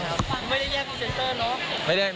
ไม่ได้แยกคอนเซนเตอร์เนอะ